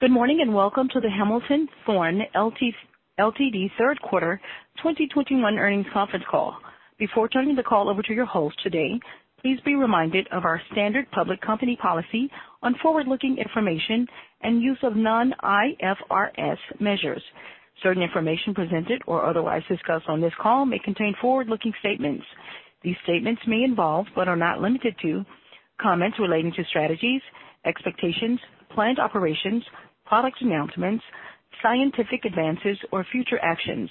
Good morning, and welcome to the Hamilton Thorne Ltd. Q3 2021 earnings Conference Call. Before turning the call over to your host today, please be reminded of our standard public company policy on forward-looking information and use of non-IFRS measures. Certain information presented or otherwise discussed on this call may contain forward-looking statements. These statements may involve, but are not limited to, comments relating to strategies, expectations, planned operations, product announcements, scientific advances, or future actions.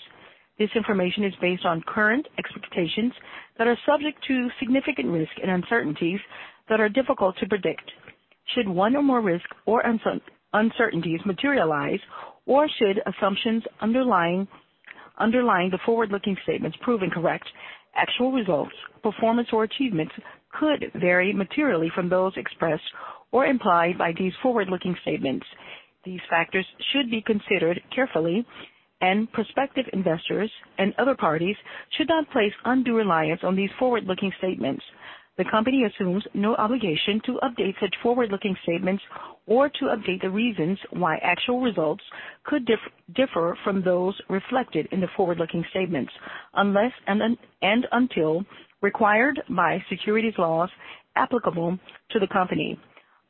This information is based on current expectations that are subject to significant risk and uncertainties that are difficult to predict. Should one or more risks or uncertainties materialize, or should assumptions underlying the forward-looking statements prove incorrect, actual results, performance or achievements could vary materially from those expressed or implied by these forward-looking statements. These factors should be considered carefully, and prospective investors and other parties should not place undue reliance on these forward-looking statements. The company assumes no obligation to update such forward-looking statements or to update the reasons why actual results could differ from those reflected in the forward-looking statements, unless and until required by securities laws applicable to the company.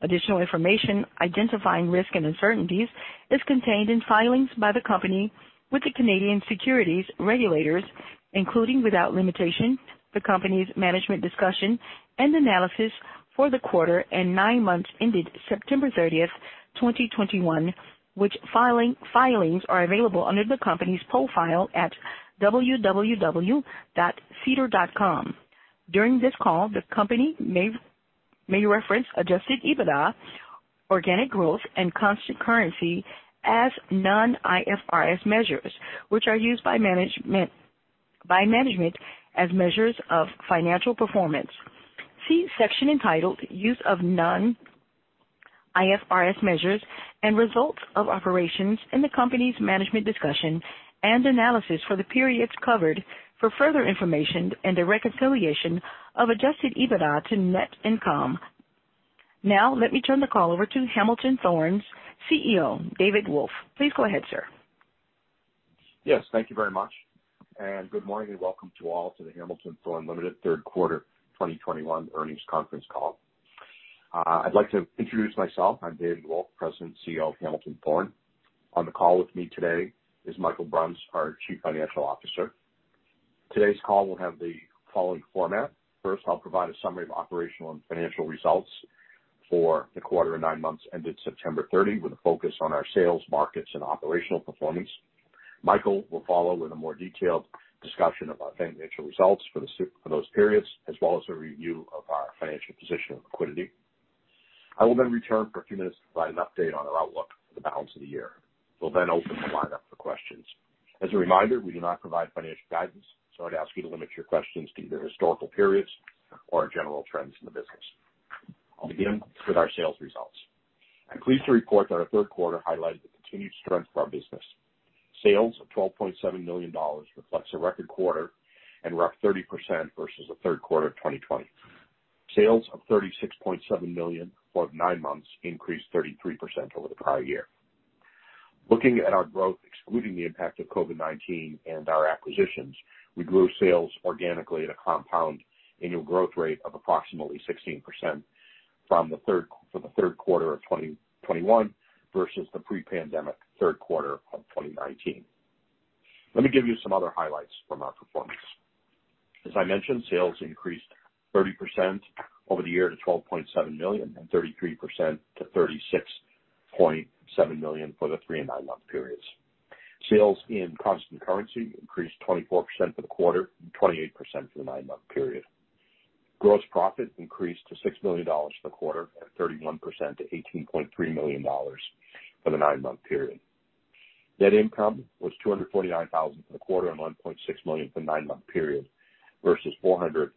Additional information identifying risks and uncertainties is contained in filings by the company with the Canadian securities regulators, including without limitation, the company's management discussion and analysis for the quarter and nine months ended September 30, 2021, which filings are available under the company's profile at www.sedar.com. During this call, the company may reference adjusted EBITDA, organic growth, and constant currency as non-IFRS measures, which are used by management as measures of financial performance. See section entitled Use of Non-IFRS Measures and Results of Operations in the company's management discussion and analysis for the periods covered for further information and a reconciliation of adjusted EBITDA to net income. Now, let me turn the call over to Hamilton Thorne's CEO, David Wolf. Please go ahead, sir. Yes, thank you very much. Good morning, and welcome to all to the Hamilton Thorne Ltd. Q3 2021 earnings Conference Call. I'd like to introduce myself. I'm David Wolf, President and CEO of Hamilton Thorne. On the call with me today is Michael Bruns, our Chief Financial Officer. Today's call will have the following format. First, I'll provide a summary of operational and financial results for the quarter and nine months ended September 30, with a focus on our sales, markets, and operational performance. Michael will follow with a more detailed discussion of our financial results for those periods, as well as a review of our financial position and liquidity. I will then return for a few minutes to provide an update on our outlook for the balance of the year. We'll then open the line up for questions. As a reminder, we do not provide financial guidance, so I'd ask you to limit your questions to either historical periods or general trends in the business. I'll begin with our sales results. I'm pleased to report that our Q3 highlighted the continued strength of our business. Sales of $12.7 million reflects a record quarter and were up 30% versus the Q3 2020. Sales of $36.7 million for the nine months increased 33% over the prior year. Looking at our growth, excluding the impact of COVID-19 and our acquisitions, we grew sales organically at a compound annual growth rate of approximately 16% for the Q3 2021 versus the pre-pandemic Q3 2019. Let me give you some other highlights from our performance. As I mentioned, sales increased 30% over the year to $12.7 million and 33% to $36.7 million for the three- and nine-month periods. Sales in constant currency increased 24% for the quarter and 28% for the nine-month period. Gross profit increased to $6 million for the quarter and 31% to $18.3 million for the nine-month period. Net income was $249,000 for the quarter and $1.6 million for the nine-month period versus $459,000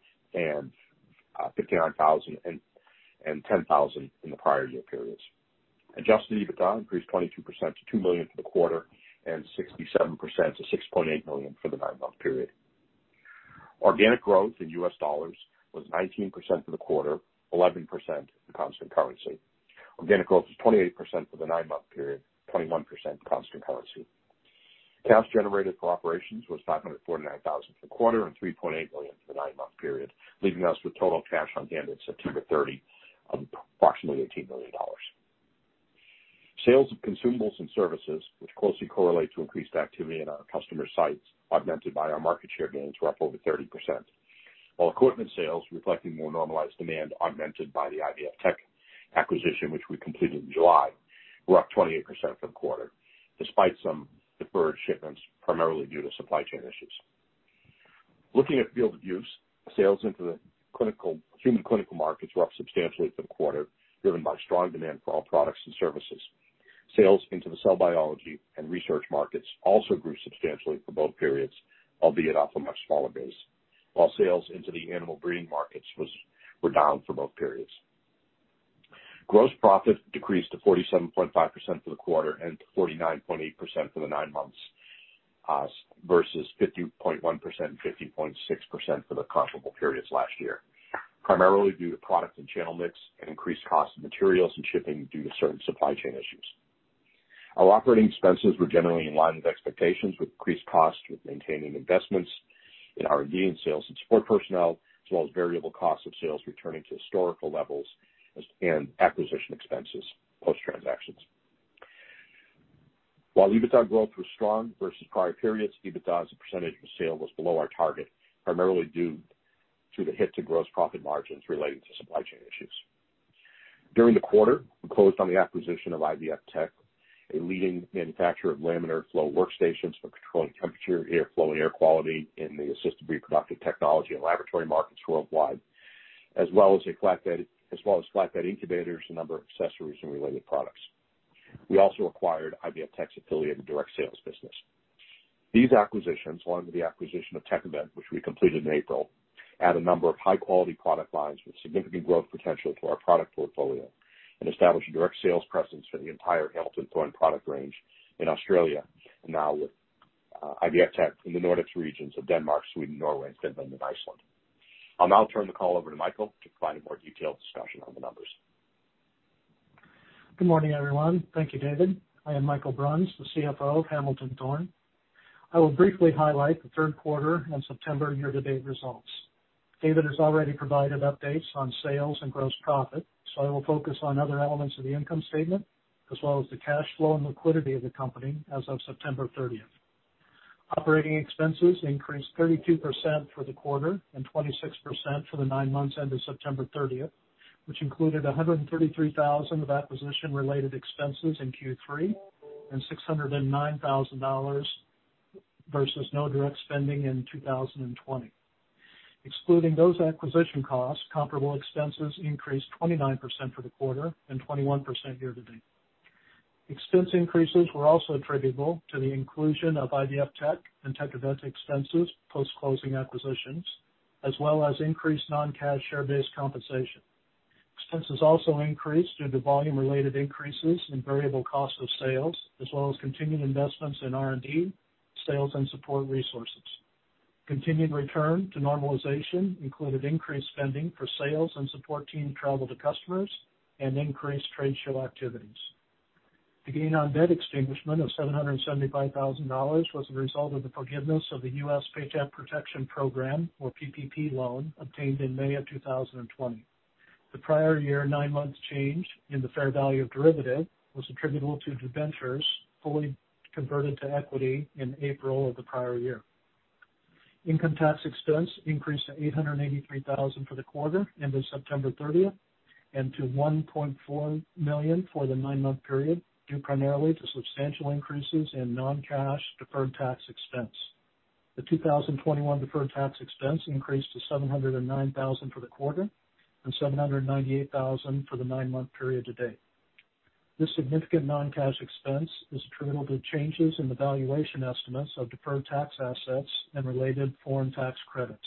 and $10,000 in the prior year periods. Adjusted EBITDA increased 22% to $2 million for the quarter and 67% to $6.8 million for the nine-month period. Organic growth in US dollars was 19% for the quarter, 11% in constant currency. Organic growth was 28% for the nine-month period, 21% in constant currency. Cash generated for operations was $549,000 for the quarter and $3.8 million for the nine-month period, leaving us with total cash on hand at September 30 of approximately $18 million. Sales of consumables and services, which closely correlate to increased activity at our customer sites, augmented by our market share gains were up over 30%, while equipment sales, reflecting more normalized demand augmented by the IVFtech acquisition, which we completed in July, were up 28% for the quarter, despite some deferred shipments, primarily due to supply chain issues. Looking at field of use, sales into the clinical human clinical markets were up substantially for the quarter, driven by strong demand for all products and services. Sales into the cell biology and research markets also grew substantially for both periods, albeit off a much smaller base. While sales into the animal breeding markets were down for both periods. Gross profit decreased to 47.5% for the quarter and to 49.8% for the nine months versus 50.1% and 50.6% for the comparable periods last year, primarily due to product and channel mix and increased cost of materials and shipping due to certain supply chain issues. Our operating expenses were generally in line with expectations, with increased costs with maintaining investments in R&D and sales and support personnel, as well as variable costs of sales returning to historical levels and acquisition expenses, post-transactions. While EBITDA growth was strong versus prior periods, EBITDA as a percentage of sales was below our target, primarily due to the hit to gross profit margins related to supply chain issues. During the quarter, we closed on the acquisition of IVFtech, a leading manufacturer of laminar flow workstations for controlling temperature, air flow, and air quality in the assisted reproductive technology and laboratory markets worldwide, as well as flatbed incubators, a number of accessories and related products. We also acquired IVFtech's affiliate and direct sales business. These acquisitions, along with the acquisition of Tek-Event, which we completed in April, add a number of high-quality product lines with significant growth potential to our product portfolio, and establish a direct sales presence for the entire Hamilton Thorne product range in Australia, now with IVFtech in the Nordic regions of Denmark, Sweden, Norway, Finland, and Iceland. I'll now turn the call over to Michael to provide a more detailed discussion on the numbers. Good morning, everyone. Thank you, David. I am Michael Bruns, the CFO of Hamilton Thorne. I will briefly highlight the third quarter and September year-to-date results. David has already provided updates on sales and gross profit, so I will focus on other elements of the income statement, as well as the cash flow and liquidity of the company as of September 30. Operating expenses increased 32% for the quarter and 26% for the nine months ended September 30, which included 133,000 of acquisition-related expenses in Q3, and 609,000 dollars versus no direct spending in 2020. Excluding those acquisition costs, comparable expenses increased 29% for the quarter and 21% year-to-date. Expense increases were also attributable to the inclusion of IVFtech and Tek-Event expenses, post-closing acquisitions, as well as increased non-cash share-based compensation. Expenses also increased due to volume-related increases in variable cost of sales, as well as continued investments in R&D, sales and support resources. Continued return to normalization included increased spending for sales and support team travel to customers and increased trade show activities. The gain on debt extinguishment of $775,000 was a result of the forgiveness of the US Paycheck Protection Program, or PPP loan, obtained in May 2020. The prior year 9 months change in the fair value of derivative was attributable to debentures fully converted to equity in April of the prior year. Income tax expense increased to 883,000 for the quarter ended September 30, and to 1.4 million for the 9-month period, due primarily to substantial increases in non-cash deferred tax expense. The 2021 deferred tax expense increased to 709 thousand for the quarter and 798 thousand for the nine-month period to date. This significant non-cash expense is attributable to changes in the valuation estimates of deferred tax assets and related foreign tax credits,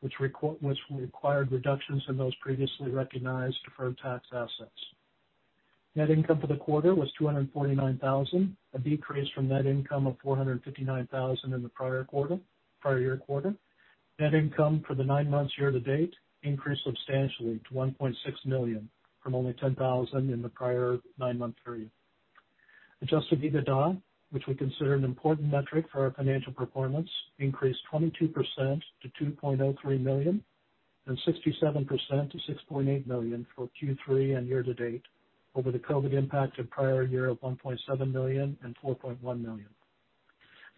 which required reductions in those previously recognized deferred tax assets. Net income for the quarter was 249 thousand, a decrease from net income of 459 thousand in the prior year quarter. Net income for the nine months year to date increased substantially to 1.6 million from only 10 thousand in the prior nine-month period. Adjusted EBITDA, which we consider an important metric for our financial performance, increased 22% to 2.03 million, and 67% to 6.8 million for Q3 and year to date over the COVID impact of prior year of 1.7 million and 4.1 million.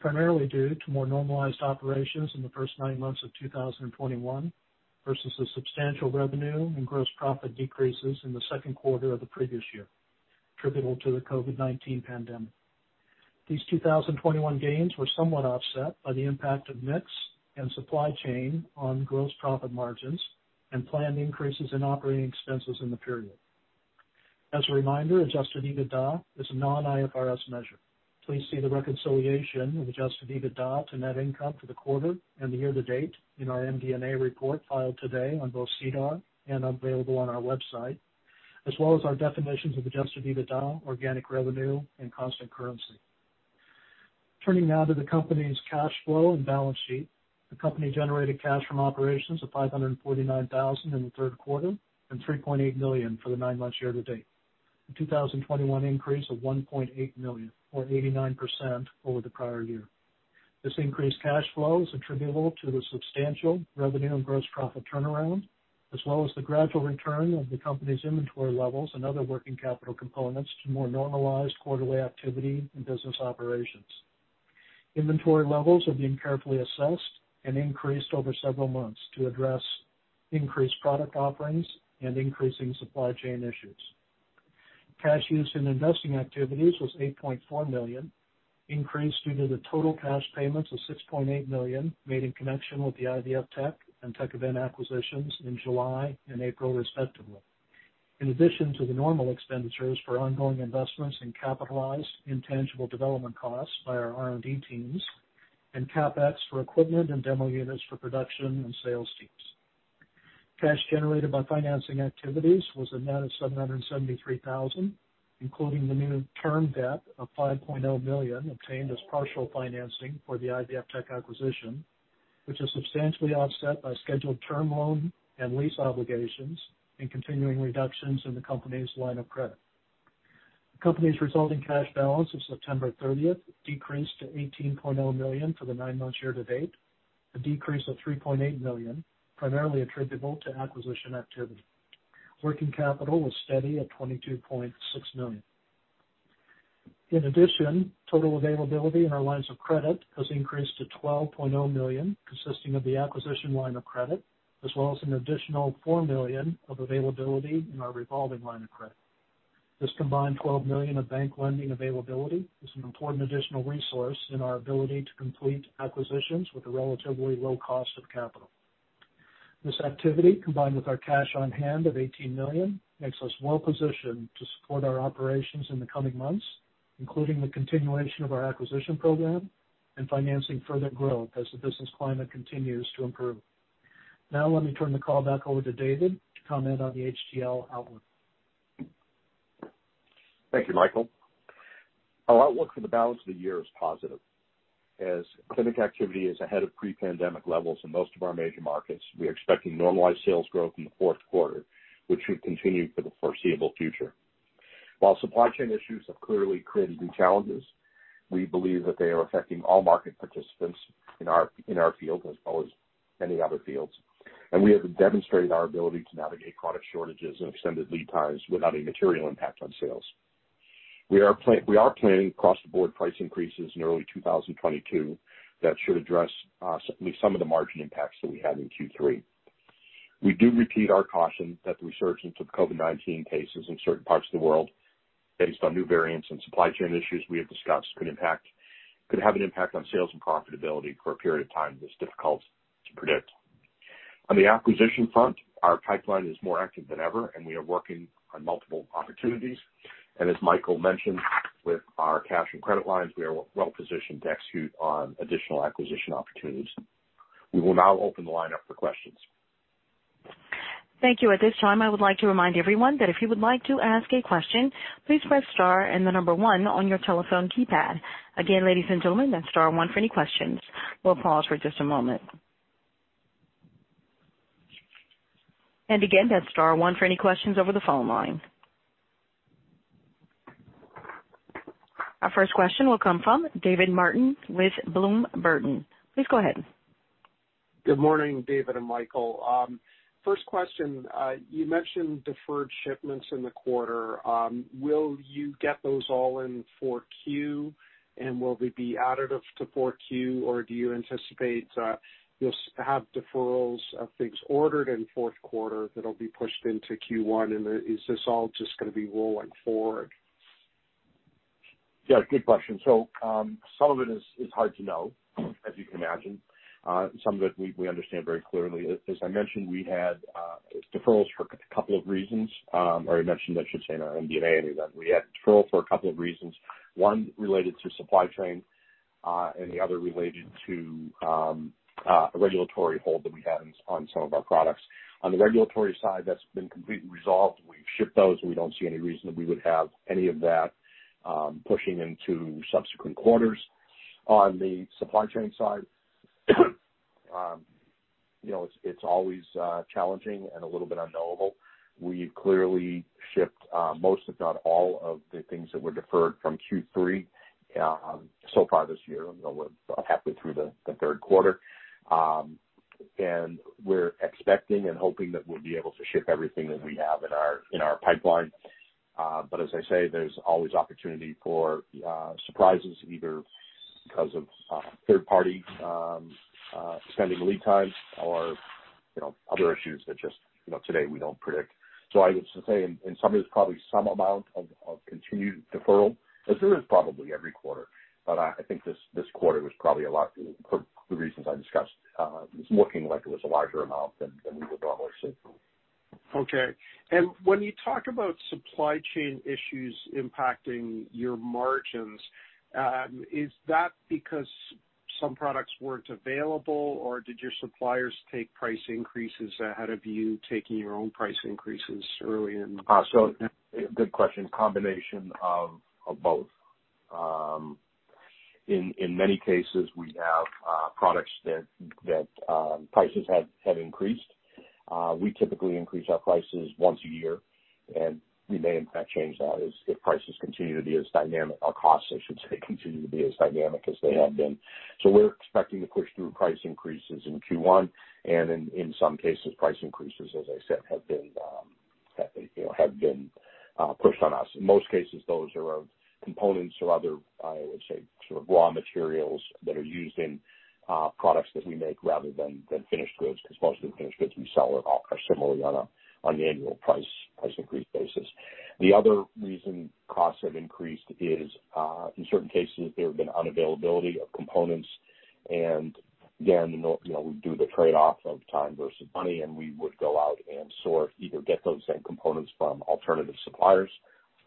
Primarily due to more normalized operations in the first nine months of 2021 versus the substantial revenue and gross profit decreases in the Q2 of the previous year, attributable to the COVID-19 pandemic. These 2021 gains were somewhat offset by the impact of mix and supply chain on gross profit margins and planned increases in operating expenses in the period. As a reminder, adjusted EBITDA is a non-IFRS measure. Please see the reconciliation of adjusted EBITDA to net income for the quarter and the year to date in our MD&A report filed today on both SEDAR and available on our website, as well as our definitions of adjusted EBITDA, organic revenue, and constant currency. Turning now to the company's cash flow and balance sheet. The company generated cash from operations of 549,000 in the Q3 and 3.8 million for the nine months year to date, the 2021 increase of 1.8 million or 89% over the prior year. This increased cash flow is attributable to the substantial revenue and gross profit turnaround, as well as the gradual return of the company's inventory levels and other working capital components to more normalized quarterly activity and business operations. Inventory levels are being carefully assessed and increased over several months to address increased product offerings and increasing supply chain issues. Cash use in investing activities was $8.4 million, increased due to the total cash payments of $6.8 million made in connection with the IVFtech and Tek-Event acquisitions in July and April respectively. In addition to the normal expenditures for ongoing investments in capitalized intangible development costs by our R&D teams and CapEx for equipment and demo units for production and sales teams. Cash generated by financing activities was amount of $773,000, including the new term debt of $5.0 million obtained as partial financing for the IVFtech acquisition, which is substantially offset by scheduled term loan and lease obligations and continuing reductions in the company's line of credit. The company's resulting cash balance of September 30 decreased to 18.0 million for the nine-month year to date, a decrease of 3.8 million, primarily attributable to acquisition activity. Working capital was steady at 22.6 million. In addition, total availability in our lines of credit has increased to CAD 12.0 million, consisting of the acquisition line of credit as well as an additional CAD 4 million of availability in our revolving line of credit. This combined CAD 12 million of bank lending availability is an important additional resource in our ability to complete acquisitions with a relatively low cost of capital. This activity, combined with our cash on hand of 18 million, makes us well-positioned to support our operations in the coming months, including the continuation of our acquisition program and financing further growth as the business climate continues to improve. Now, let me turn the call back over to David to comment on the HTL outlook. Thank you, Michael. Our outlook for the balance of the year is positive. As clinic activity is ahead of pre-pandemic levels in most of our major markets, we are expecting normalized sales growth in the Q4, which should continue for the foreseeable future. While supply chain issues have clearly created new challenges, we believe that they are affecting all market participants in our field as well as many other fields. We have demonstrated our ability to navigate product shortages and extended lead times without a material impact on sales. We are planning across-the-board price increases in early 2022 that should address at least some of the margin impacts that we had in Q3. We do repeat our caution that the resurgence of COVID-19 cases in certain parts of the world based on new variants and supply chain issues we have discussed could have an impact on sales and profitability for a period of time that's difficult to predict. On the acquisition front, our pipeline is more active than ever and we are working on multiple opportunities. As Michael mentioned, with our cash and credit lines, we are well-positioned to execute on additional acquisition opportunities. We will now open the line up for questions. Thank you. At this time, I would like to remind everyone that if you would like to ask a question, please press star and the number one on your telephone keypad. Again, ladies and gentlemen, that's star one for any questions. We'll pause for just a moment. Again, that's star one for any questions over the phone line. Our first question will come from David Martin with Bloom Burton. Please go ahead. Good morning, David and Michael. First question. You mentioned deferred shipments in the quarter. Will you get those all in Q4, and will they be additive to Q4, or do you anticipate you'll have deferrals of things ordered in Q4 that'll be pushed into Q1, and is this all just gonna be rolling forward? Yeah, good question. Some of it is hard to know, as you can imagine. Some of it we understand very clearly. As I mentioned, we had deferrals for couple of reasons, or I mentioned, I should say, in our MD&A. We had deferral for a couple of reasons, one related to supply chain, and the other related to a regulatory hold that we had on some of our products. On the regulatory side, that's been completely resolved. We've shipped those, and we don't see any reason that we would have any of that pushing into subsequent quarters. On the supply chain side, you know, it's always challenging and a little bit unknowable. We've clearly shipped most if not all of the things that were deferred from Q3 so far this year, you know, we're about halfway through the Q3. We're expecting and hoping that we'll be able to ship everything that we have in our pipeline. But as I say, there's always opportunity for surprises either because of third party extending lead times or, you know, other issues that just, you know, today we don't predict. So I would say in summary, there's probably some amount of continued deferral as there is probably every quarter. But I think this quarter was probably a lot, for the reasons I discussed, it's looking like it was a larger amount than we would normally see. Okay. When you talk about supply chain issues impacting your margins, is that because some products weren't available or did your suppliers take price increases ahead of you taking your own price increases early in the? Good question. Combination of both. In many cases we have products that prices have increased. We typically increase our prices once a year and we may in fact change that if prices continue to be as dynamic, or costs I should say continue to be as dynamic as they have been. We're expecting to push through price increases in Q1 and in some cases price increases as I said have been, you know, pushed on us. In most cases those are components or other, I would say, sort of raw materials that are used in products that we make rather than finished goods, because most of the finished goods we sell are similarly on the annual price increase basis. The other reason costs have increased is, in certain cases there have been unavailability of components and again, you know, we do the trade-off of time versus money and we would go out and source, either get those same components from alternative suppliers,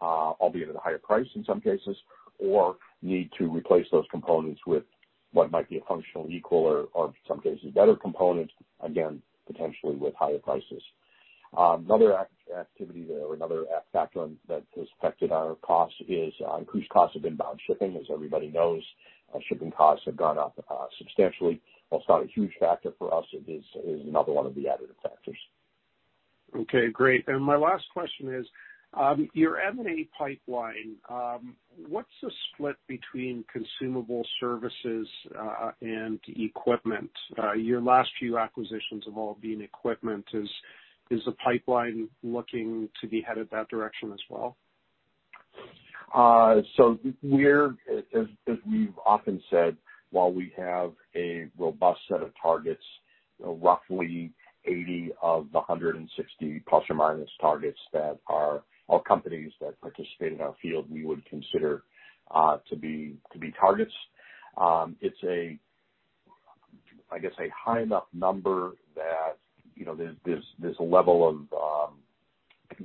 albeit at a higher price in some cases, or need to replace those components with what might be a functional equal or in some cases, better component, again, potentially with higher prices. Another factor that has affected our costs is increased costs of inbound shipping. As everybody knows, shipping costs have gone up substantially. While it's not a huge factor for us, it is another one of the additive factors. Okay, great. My last question is, your M&A pipeline, what's the split between consumables, services, and equipment? Your last few acquisitions have all been equipment. Is the pipeline looking to be headed that direction as well? As we've often said, while we have a robust set of targets, roughly 80 of the 160 plus or minus targets that are companies that participate in our field, we would consider to be targets. It's, I guess, a high enough number that, you know, there's a level of,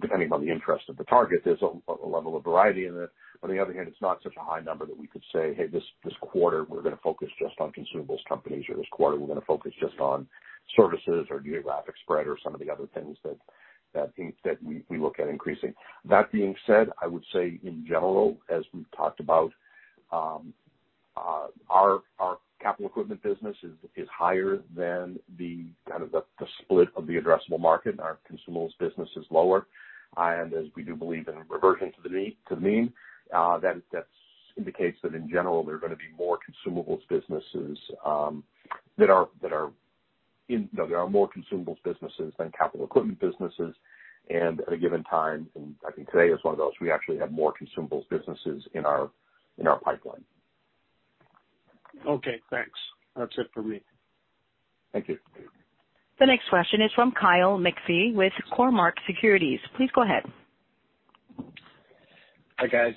depending on the interest of the target, there's a level of variety in it. On the other hand, it's not such a high number that we could say, "Hey, this quarter we're gonna focus just on consumables companies," or, "This quarter we're gonna focus just on services or geographic spread," or some of the other things that we look at increasing. That being said, I would say in general, as we've talked about, our capital equipment business is higher than the kind of the split of the addressable market. Our consumables business is lower. As we do believe in reversion to the mean, that indicates that in general there are gonna be more consumables businesses that are in. You know, there are more consumables businesses than capital equipment businesses. At a given time, and I think today is one of those, we actually have more consumables businesses in our pipeline. Okay, thanks. That's it for me. Thank you. The next question is from Kyle McPhee with Cormark Securities. Please go ahead. Hi, guys.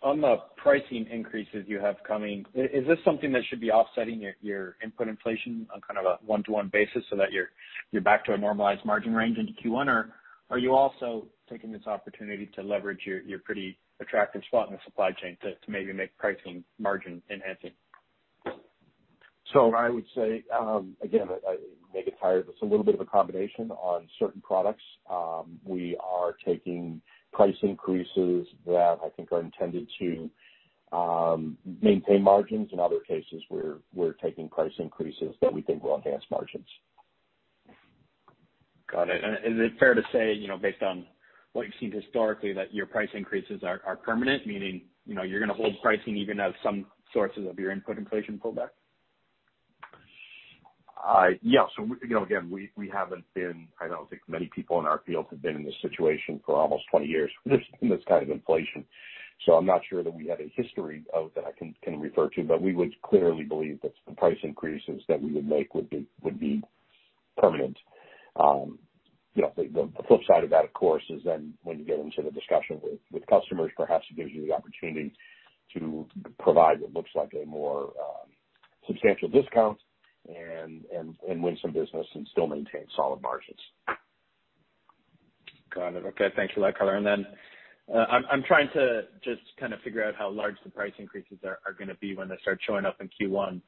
On the pricing increases you have coming, is this something that should be offsetting your input inflation on kind of a one-to-one basis so that you're back to a normalized margin range into Q1? Or are you also taking this opportunity to leverage your pretty attractive spot in the supply chain to maybe make pricing margin enhancing? I would say, again, I make it higher. It's a little bit of a combination on certain products. We are taking price increases that I think are intended to maintain margins. In other cases, we're taking price increases that we think will enhance margins. Got it. Is it fair to say, you know, based on what you've seen historically, that your price increases are permanent? Meaning, you know, you're gonna hold pricing even as some sources of your input inflation pull back? I don't think many people in our field have been in this situation for almost 20 years with this kind of inflation, so I'm not sure that we have a history of that I can refer to. We would clearly believe that the price increases that we would make would be permanent. You know, the flip side of that, of course, is then when you get into the discussion with customers, perhaps it gives you the opportunity to provide what looks like a more substantial discount and win some business and still maintain solid margins. Got it. Okay. Thank you for that color. I'm trying to just kind of figure out how large the price increases are gonna be when they start showing up in Q1.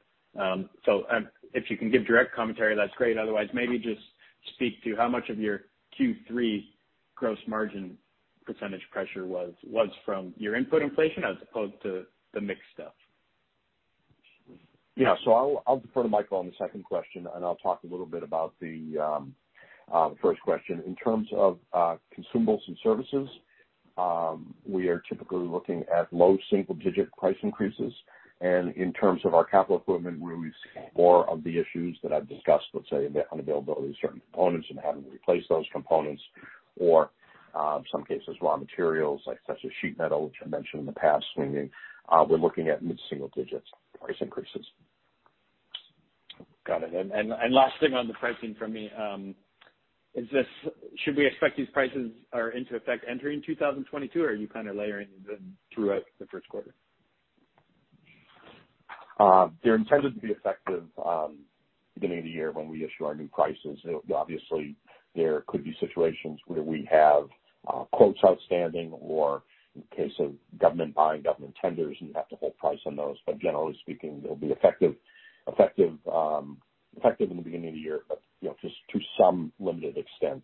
If you can give direct commentary, that's great. Otherwise, maybe just speak to how much of your Q3 gross margin percentage pressure was from your input inflation as opposed to the mix stuff. Yeah. I'll defer to Michael on the second question, and I'll talk a little bit about the first question. In terms of consumables and services, we are typically looking at low single-digit price increases. In terms of our capital equipment, where we've seen more of the issues that I've discussed, let's say the unavailability of certain components and having to replace those components or in some cases raw materials such as sheet metal, which I mentioned in the past, swinging, we're looking at mid-single-digit price increases. Got it. Last thing on the pricing from me is this. Should we expect these prices are into effect entering 2022? Or are you kind of layering them throughout the Q1? They're intended to be effective beginning of the year when we issue our new prices. Obviously, there could be situations where we have quotes outstanding or in case of government buying, government tenders, and you have to hold price on those. Generally speaking, they'll be effective in the beginning of the year, but you know, just to some limited extent.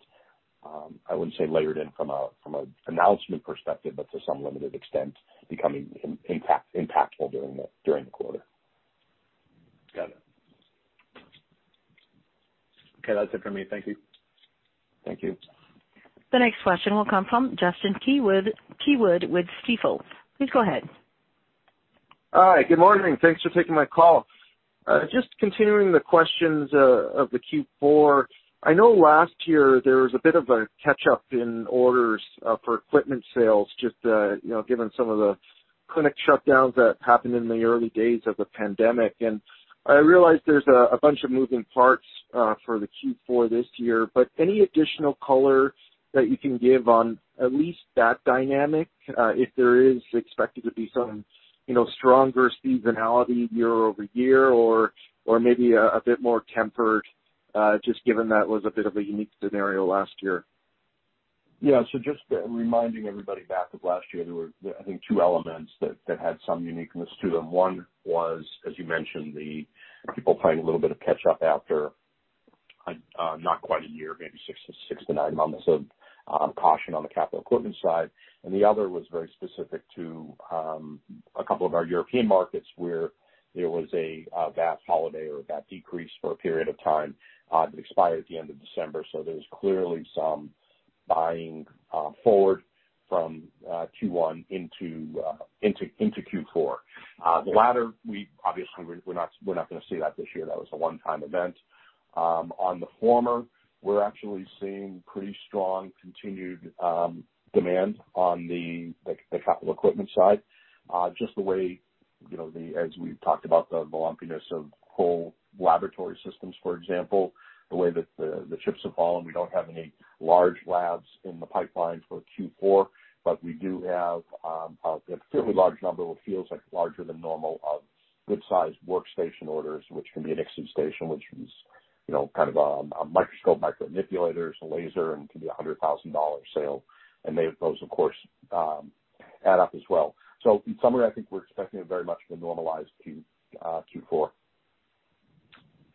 I wouldn't say layered in from an announcement perspective, but to some limited extent becoming impactful during the quarter. Got it. Okay, that's it for me. Thank you. Thank you. The next question will come from Justin Keywood with Stifel. Please go ahead. Hi. Good morning. Thanks for taking my call. Just continuing the questions of the Q4, I know last year there was a bit of a catch-up in orders for equipment sales just you know given some of the clinic shutdowns that happened in the early days of the pandemic. I realize there's a bunch of moving parts for the Q4 this year, but any additional color that you can give on at least that dynamic if there is expected to be some you know stronger seasonality year-over-year or maybe a bit more tempered? Just given that was a bit of a unique scenario last year. Just reminding everybody back of last year, there were, I think, two elements that had some uniqueness to them. One was, as you mentioned, the people playing a little bit of catch up after not quite a year, maybe six to nine months of caution on the capital equipment side. The other was very specific to a couple of our European markets where there was a VAT holiday or a VAT decrease for a period of time that expired at the end of December. There's clearly some buying forward from Q1 into Q4. The latter, we obviously are not gonna see that this year. That was a one-time event. On the former, we're actually seeing pretty strong continued demand on the capital equipment side. Just the way, you know, as we've talked about the lumpiness of whole laboratory systems, for example, the way that the chips have fallen, we don't have any large labs in the pipeline for Q4, but we do have a fairly large number of what feels like larger than normal good sized workstation orders, which can be an Xceed station, which is, you know, kind of a microscope, micromanipulators, a laser, and can be a 100,000 dollar sale. Those of course add up as well. In summary, I think we're expecting a very much of a normalized Q4.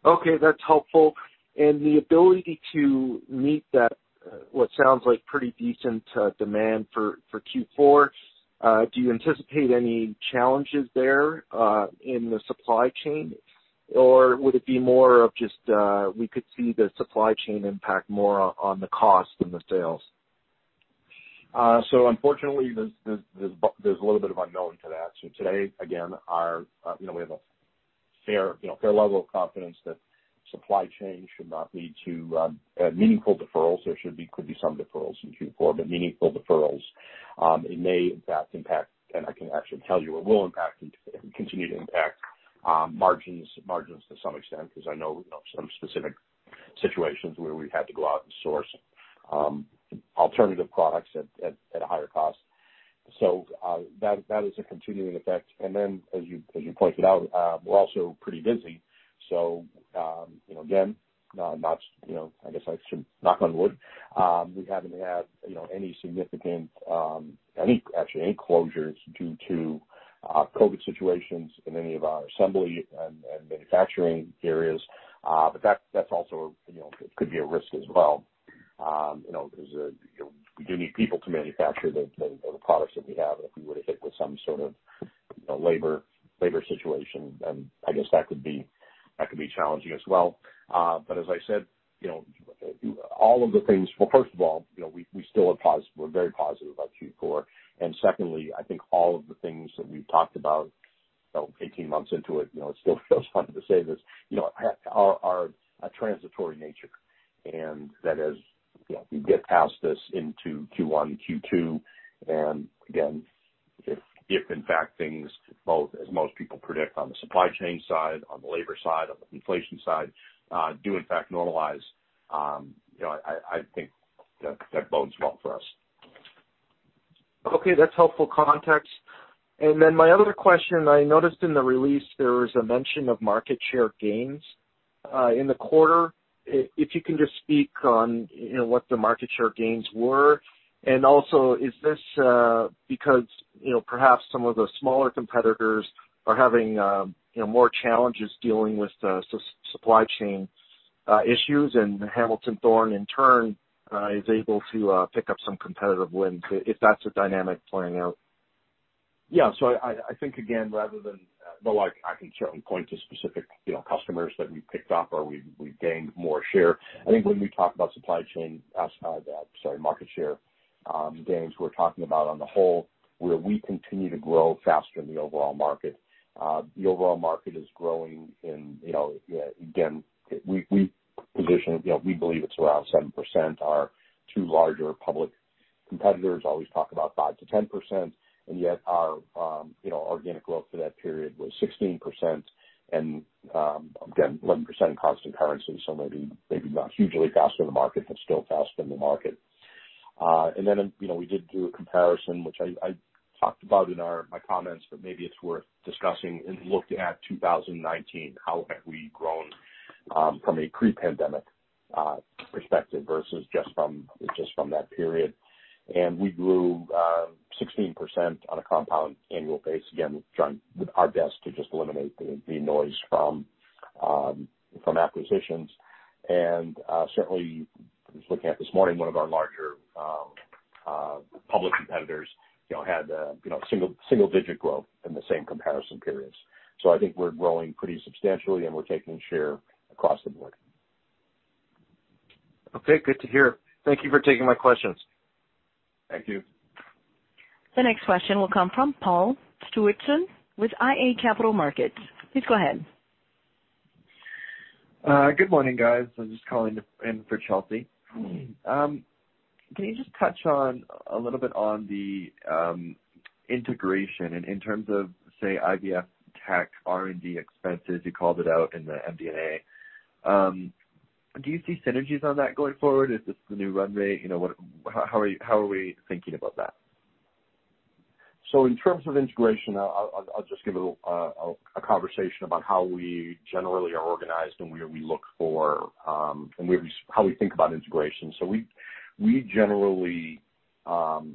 Okay. That's helpful. The ability to meet that, what sounds like pretty decent, demand for Q4, do you anticipate any challenges there, in the supply chain? Or would it be more of just, we could see the supply chain impact more on the cost than the sales? Unfortunately, there's a little bit of unknown to that. Today, again, we have a fair level of confidence that supply chain should not lead to meaningful deferrals. There could be some deferrals in Q4, but meaningful deferrals may in fact impact, and I can actually tell you it will impact and continue to impact margins to some extent. Because I know of some specific situations where we've had to go out and source alternative products at a higher cost. That is a continuing effect. As you pointed out, we're also pretty busy. Again, I guess I should knock on wood. We haven't had, you know, any significant, actually any closures due to COVID situations in any of our assembly and manufacturing areas. That, that's also, you know, could be a risk as well. You know, we do need people to manufacture the products that we have. If we were to hit with some sort of, you know, labor situation, then I guess that could be challenging as well. As I said, you know, all of the things. Well, first of all, you know, we're very positive about Q4. Secondly, I think all of the things that we've talked about, you know, 18 months into it, you know, it still feels funny to say this, you know, are a transitory nature. That is, you know, we get past this into Q1, Q2, and again, if in fact things both, as most people predict on the supply chain side, on the labor side, on the inflation side, do in fact normalize, you know, I think that bodes well for us. Okay. That's helpful context. My other question, I noticed in the release there was a mention of market share gains in the quarter. If you can just speak on, you know, what the market share gains were. Also, is this because, you know, perhaps some of the smaller competitors are having, you know, more challenges dealing with the supply chain issues and Hamilton Thorne in turn is able to pick up some competitive wins, if that's a dynamic playing out? Yeah. I think again, I can certainly point to specific, you know, customers that we've picked up or we've gained more share. I think when we talk about market share gains, we're talking about on the whole where we continue to grow faster than the overall market. The overall market is growing, you know, again, we position, you know, we believe it's around 7%. Our two larger public competitors always talk about 5%-10%. Yet our, you know, organic growth for that period was 16% and, again, 11% in constant currency. Maybe not hugely faster than the market, but still faster than the market. Then, you know, we did do a comparison, which I talked about in my comments, but maybe it's worth discussing and looking at 2019, how have we grown from a pre-pandemic perspective versus just from that period. We grew 16% on a compound annual basis. Again, we've tried our best to just eliminate the noise from acquisitions. Certainly I was looking at this morning, one of our larger public competitors, you know, had single-digit growth in the same comparison periods. I think we're growing pretty substantially and we're taking share across the board. Okay. Good to hear. Thank you for taking my questions. Thank you. The next question will come from Paul Stuartson with iA Capital Markets. Please go ahead. Good morning, guys. I'm just calling in for Chelsea. Can you just touch on a little bit on the integration and in terms of, say, IVFtech, R&D expenses, you called it out in the MD&A. Do you see synergies on that going forward? Is this the new runway? You know, how are we thinking about that? In terms of integration, I'll just give a little conversation about how we generally are organized and where we look for how we think about integration. We generally buy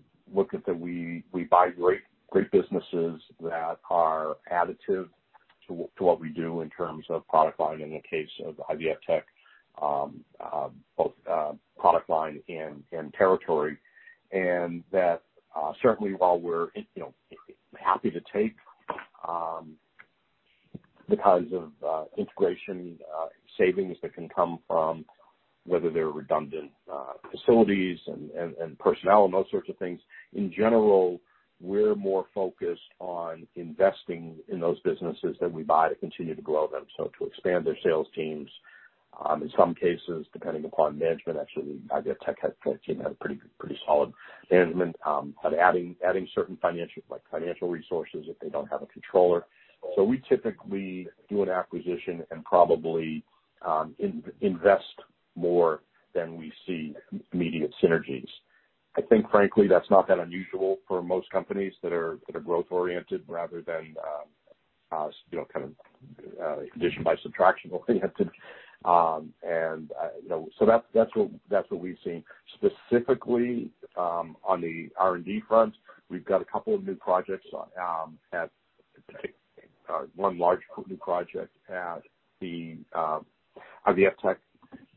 great businesses that are additive to what we do in terms of product line in the case of IVFtech, both product line and territory. That certainly, while we're, you know, happy to take the kinds of integration savings that can come from whether they're redundant facilities and personnel and those sorts of things, in general, we're more focused on investing in those businesses that we buy to continue to grow them, so to expand their sales teams in some cases, depending upon management. Actually, IVFtech had a pretty solid management, but adding certain financial resources if they don't have a controller. We typically do an acquisition and probably invest more than we see immediate synergies. I think frankly, that's not that unusual for most companies that are growth oriented rather than, you know, kind of addition by subtraction oriented. You know, that's what we've seen. Specifically, on the R&D front, we've got a couple of new projects, one large new project at IVFtech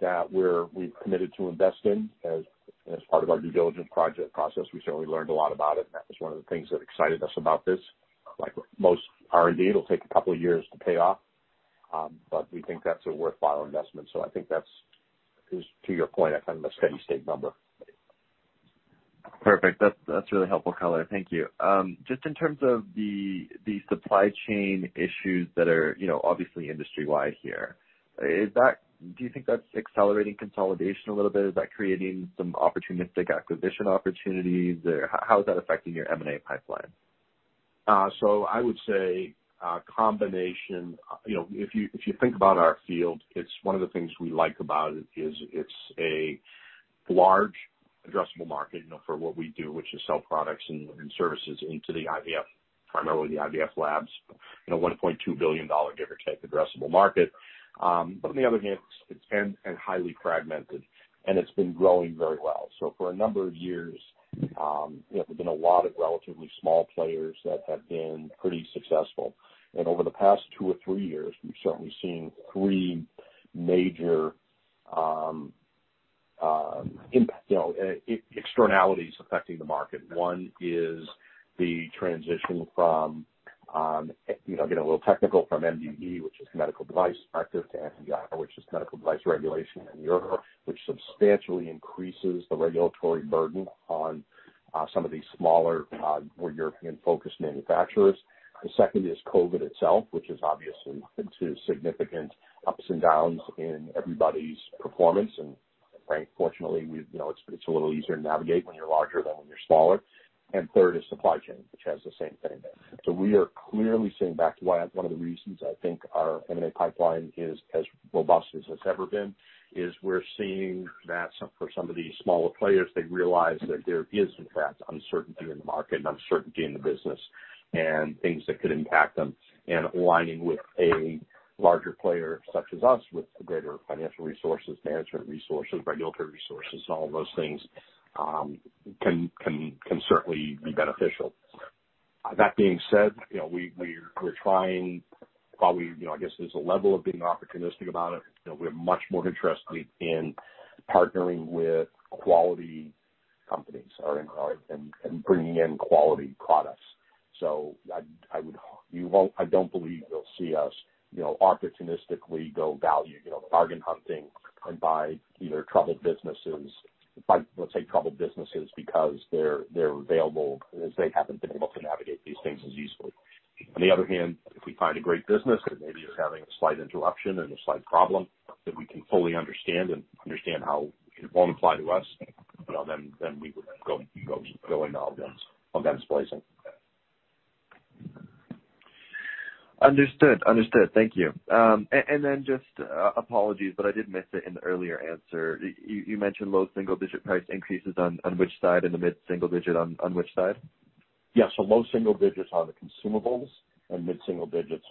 that we've committed to invest in. As part of our due diligence process, we certainly learned a lot about it. That was one of the things that excited us about this. Like most R&D, it'll take a couple of years to pay off, but we think that's a worthwhile investment. I think that's to your point, a kind of a steady state number. Perfect. That's really helpful, Keller. Thank you. Just in terms of the supply chain issues that are, you know, obviously industry-wide here, is that do you think that's accelerating consolidation a little bit? Is that creating some opportunistic acquisition opportunities? Or how is that affecting your M&A pipeline? I would say a combination. You know, if you think about our field, it's one of the things we like about it is it's a large addressable market, you know, for what we do, which is sell products and services into the IVF, primarily the IVF labs. You know, $1.2 billion, give or take, addressable market. On the other hand, it's highly-fragmented, and it's been growing very well for a number of years, you know. There's been a lot of relatively small players that have been pretty successful. Over the past two or three years, we've certainly seen three major externalities affecting the market. One is the transition from, you know, getting a little technical from MDD, which is medical device directive, to MDR, which is medical device regulation in Europe, which substantially increases the regulatory burden on, some of these smaller, more European-focused manufacturers. The second is COVID itself, which has obviously led to significant ups and downs in everybody's performance. Fortunately, we've, you know, it's a little easier to navigate when you're larger than when you're smaller. Third is supply chain, which has the same thing. We are clearly seeing back to why one of the reasons I think our M&A pipeline is as robust as it's ever been, is we're seeing that some, for some of these smaller players, they realize that there is, in fact, uncertainty in the market and uncertainty in the business and things that could impact them. Aligning with a larger player such as us with greater financial resources, management resources, regulatory resources, all those things, can certainly be beneficial. That being said, you know, we're trying while we, you know, I guess there's a level of being opportunistic about it. You know, we have much more interest in partnering with quality companies or and bringing in quality products. I would I don't believe you'll see us, you know, opportunistically go value, you know, bargain hunting and buy either troubled businesses, buy, let's say, troubled businesses because they're available as they haven't been able to navigate these things as easily. On the other hand, if we find a great business that maybe is having a slight interruption and a slight problem that we can fully understand how it won't apply to us, you know, then we would go into all of them. Understood. Thank you. Just apologies, but I did miss it in the earlier answer. You mentioned low single-digit price increases on which side in the mid- single-digit on which side? Low single-digits% on the consumables and mid- single-digits%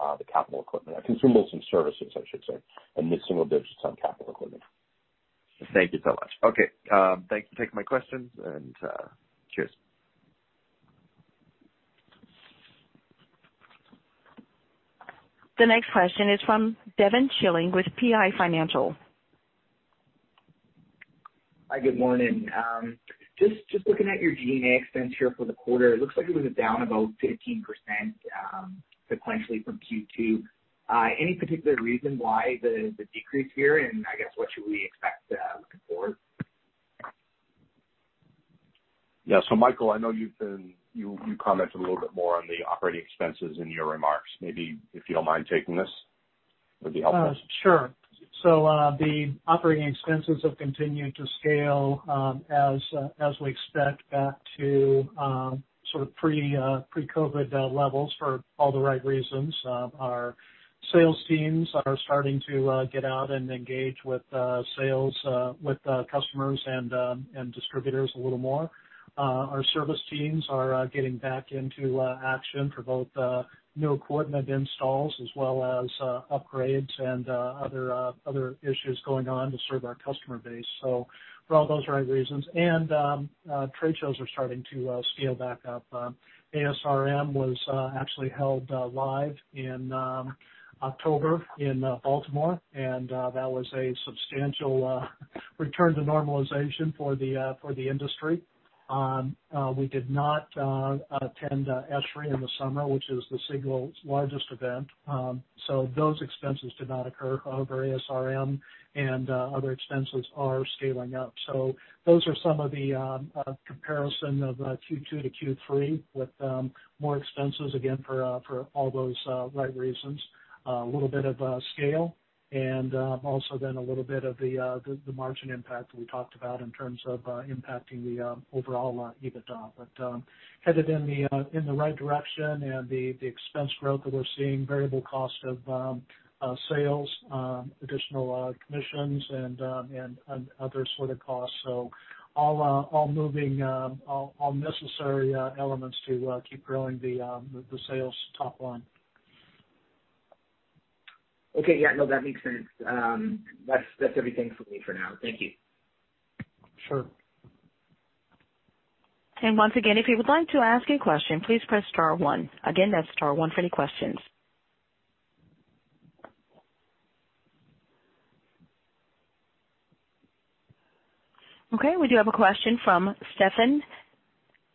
on the capital equipment. Consumables and services, I should say, and mid single-digits% on capital equipment. Thank you so much. Okay, thanks for taking my questions and, cheers. The next question is from Devin Schilling with PI Financial. Hi, good morning. Just looking at your G&A spends here for the quarter, it looks like it was down about 15% sequentially from Q2. Any particular reason why the decrease here? I guess what should we expect looking forward? Yeah. Michael, I know you commented a little bit more on the operating expenses in your remarks. Maybe if you don't mind taking this, that'd be helpful. Sure. The operating expenses have continued to scale, as we expect back to sort of pre-COVID levels for all the right reasons. Our sales teams are starting to get out and engage with customers and distributors a little more. Our service teams are getting back into action for both new equipment installs as well as upgrades and other issues going on to serve our customer base for all those right reasons. Trade shows are starting to scale back up. ASRM was actually held live in October in Baltimore, and that was a substantial return to normalization for the industry. We did not attend ESHRE in the summer, which is the single largest event. Those expenses did not occur. However, ASRM and other expenses are scaling up. Those are some of the comparison of Q2 to Q3 with more expenses, again, for all those right reasons. A little bit of scale and also then a little bit of the margin impact that we talked about in terms of impacting the overall EBITDA. Headed in the right direction and the expense growth that we're seeing, variable cost of sales, additional commissions and other sort of costs. All moving, all necessary elements to keep growing the sales top-line. Okay. Yeah, no, that makes sense. That's everything for me for now. Thank you. Sure. Once again, if you would like to ask a question, please press star one. Again, that's star one for any questions. Okay, we do have a question from Stefan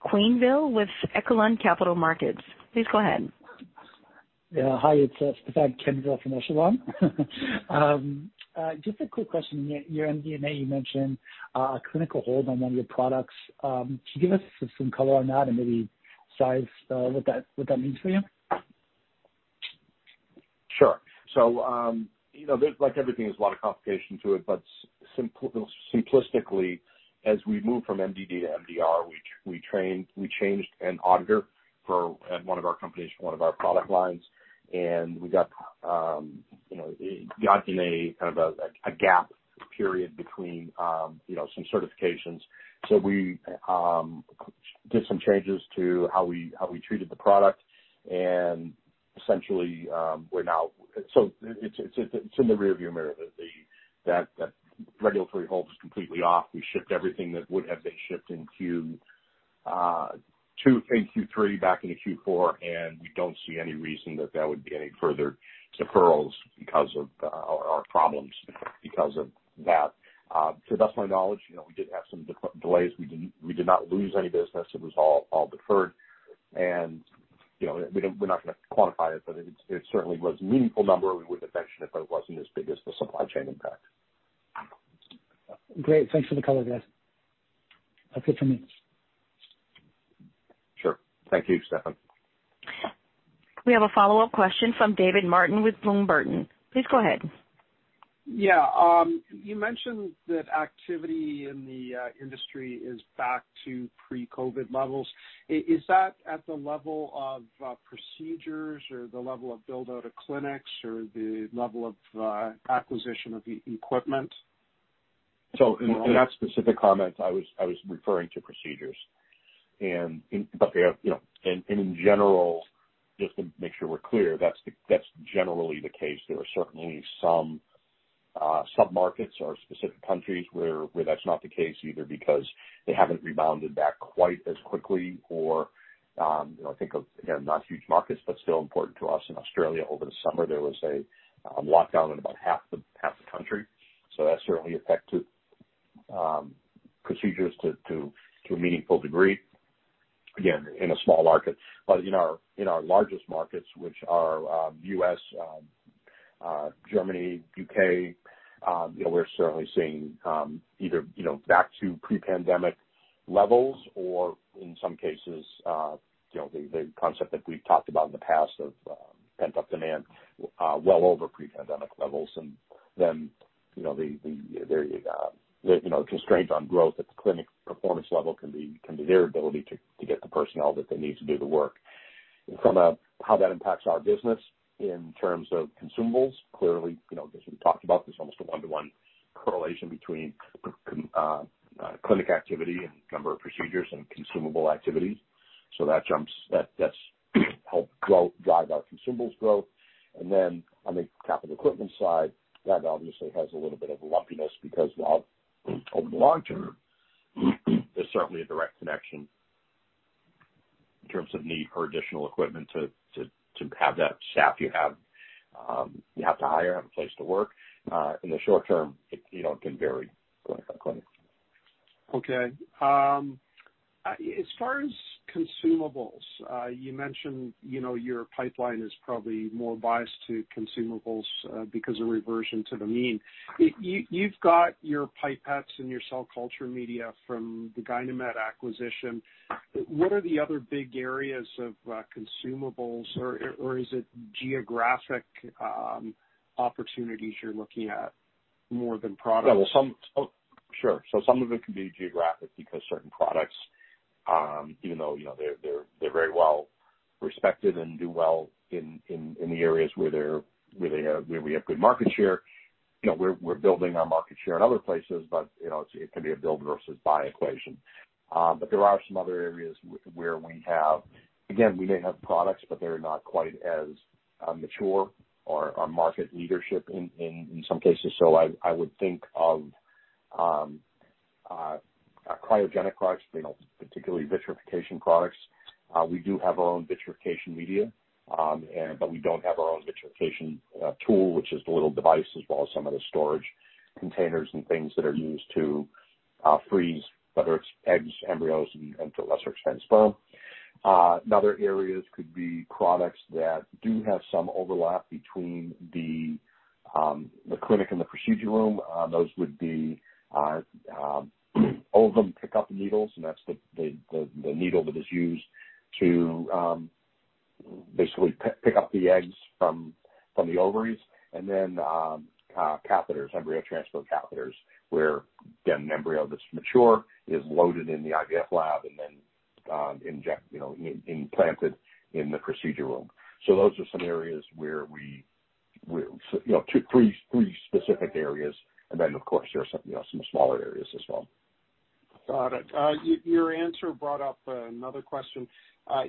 Quenneville with Echelon Capital Markets. Please go ahead. Yeah. Hi, it's Stefan Quenneville from Echelon. Just a quick question. In your MD&A, you mentioned a clinical hold on one of your products. Can you give us some color on that and maybe size what that means for you? Sure. You know, there's, like everything, there's a lot of complication to it, but simplistically, as we move from MDD to MDR, we changed an auditor for at one of our companies for one of our product lines. We got in a kind of a gap period between some certifications. We did some changes to how we treated the product and essentially, we're now. It's in the rear view mirror that the regulatory hold is completely off. We shipped everything that would have been shipped in Q3 back into Q4, and we don't see any reason that there would be any further deferrals because of or problems because of that. To the best of my knowledge, you know, we did have some delays. We did not lose any business. It was all deferred. You know, we're not gonna quantify it, but it certainly was a meaningful number, and we would've mentioned it if it wasn't as big as the supply chain impact. Great. Thanks for the color, guys. That's it for me. Sure. Thank you, Stefan. We have a follow-up question from David Martin with Bloom Burton. Please go ahead. Yeah. You mentioned that activity in the industry is back to pre-COVID levels. Is that at the level of procedures or the level of build out of clinics or the level of acquisition of equipment? In that specific comment, I was referring to procedures, but they have, you know, and in general, just to make sure we're clear, that's generally the case. There are certainly some sub-markets or specific countries where that's not the case either because they haven't rebounded back quite as quickly or, you know, think of, again, not huge markets, but still important to us in Australia over the summer, there was a lockdown in about half the country. That certainly affected procedures to a meaningful degree, again, in a small market. In our largest markets, which are US, Germany, UK, you know, we're certainly seeing either, you know, back to pre-pandemic levels or in some cases, you know, the concept that we've talked about in the past of pent-up demand well over pre-pandemic levels. Then, you know, the constraints on growth at the clinic performance level can be their ability to get the personnel that they need to do the work. In terms of how that impacts our business in terms of consumables, clearly, you know, as we talked about, there's almost a one-to-one correlation between clinic activity and number of procedures and consumable activities. That jumps. That's helped grow, drive our consumables growth. On the capital equipment side, that obviously has a little bit of lumpiness because while over the long-term, there's certainly a direct connection in terms of need for additional equipment to have that staff you have, you have to hire and a place to work. In the short-term, it, you know, it can vary clinic by clinic. Okay. As far as consumables, you mentioned, you know, your pipeline is probably more biased to consumables because of reversion to the mean. You've got your pipettes and your cell culture media from the Gynemed acquisition. What are the other big areas of consumables or is it geographic opportunities you're looking at more than products? Yeah. Well, some of it can be geographic because certain products, even though, you know, they're very well-respected and do well in the areas where we have good market share. You know, we're building our market share in other places but, you know, it can be a build versus buy equation. But there are some other areas where we have. Again, we may have products, but they're not quite as mature or have market leadership in some cases. I would think of cryogenic products, you know, particularly vitrification products. We do have our own vitrification media, but we don't have our own vitrification tool which is the little device as well as some of the storage containers and things that are used to freeze, whether it's eggs, embryos, and to a lesser extent, sperm. Other areas could be products that do have some overlap between the clinic and the procedure room. Those would be ovum pickup needles, and that's the needle that is used to basically pick up the eggs from the ovaries. Catheters, embryo transfer catheters, where again an embryo that's mature is loaded in the IVF lab and then injected, you know, implanted in the procedure room. Those are some areas. You know, two or three specific areas. Of course there are some, you know, some smaller areas as well. Got it. Your answer brought up another question.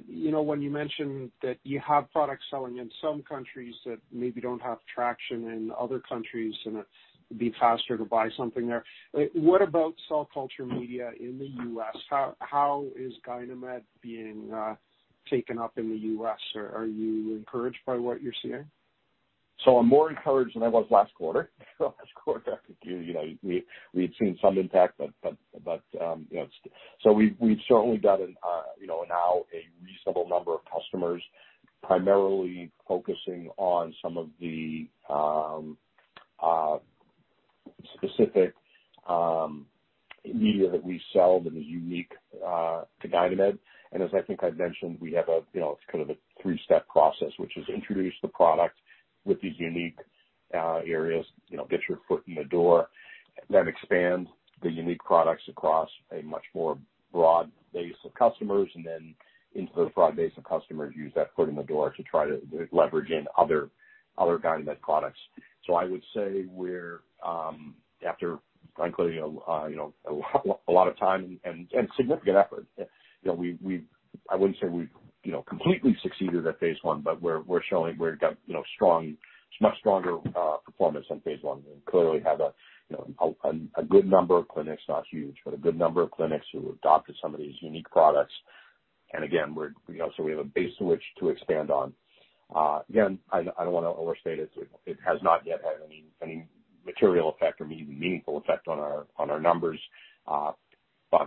You know, when you mentioned that you have products selling in some countries that maybe don't have traction in other countries, and it'd be faster to buy something there. What about cell culture media in the US? How is Gynemed being taken up in the US? Are you encouraged by what you're seeing? I'm more encouraged than I was last quarter. Last quarter, we had seen some impact but we've certainly got a reasonable number of customers primarily focusing on some of the specific media that we sell that is unique to Gynemed. As I think I've mentioned, we have, it's kind of a three-step process, which is introduce the product with these unique areas, get your foot in the door. Expand the unique products across a much more broad base of customers, and then into those broad base of customers, use that foot in the door to try to leverage in other Gynemed products. I would say we're after frankly, you know, a lot of time and significant effort, you know, I wouldn't say we've completely succeeded at phase one, but we're showing we've got, you know, strong, much stronger performance on phase one. We clearly have a good number of clinics, not huge, but a good number of clinics who adopted some of these unique products. Again, you know, we have a base to which to expand on. Again, I don't wanna overstate it. It has not yet had any material effect or even meaningful effect on our numbers. But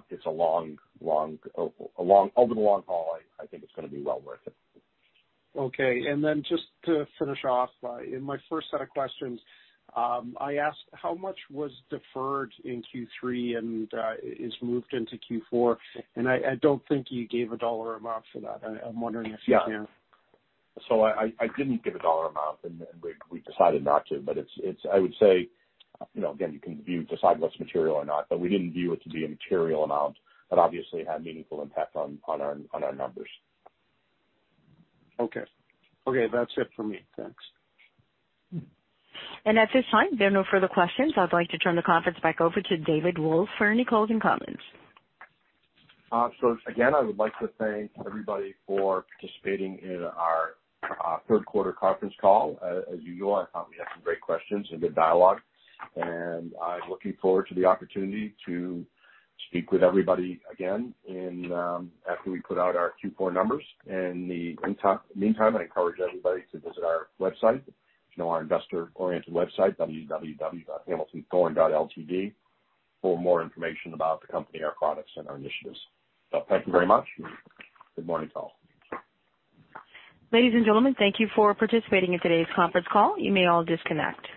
it's over the long-haul, I think it's gonna be well worth it. Okay. Just to finish off, in my first set of questions, I asked how much was deferred in Q3 and is moved into Q4? I don't think you gave a dollar amount for that. I'm wondering if you can. I didn't give a dollar amount and we decided not to. It, I would say, you know, again, you can view, decide what's material or not, but we didn't view it to be a material amount that obviously had meaningful impact on our numbers. Okay, that's it for me. Thanks. At this time, there are no further questions. I'd like to turn the conference back over to David Wolf for any closing comments. Again, I would like to thank everybody for participating in our Q3 Conference Call. As usual, I thought we had some great questions and good dialogue, and I'm looking forward to the opportunity to speak with everybody again in after we put out our Q4 numbers. In the meantime, I encourage everybody to visit our website, you know, our investor-oriented website, www.hamiltonthorne.ltd for more information about the company, our products, and our initiatives. Thank you very much, and good morning to all. Ladies and gentlemen, thank you for participating in today's Conference Call. You may all disconnect.